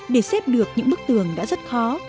để xếp được những bức tường đã rất khó